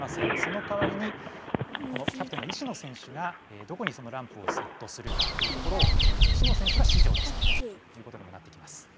そのかわりにこのキャプテンの石野選手がどこにそのランプをセットするかというところを石野選手がしじを出すということにもなってきます。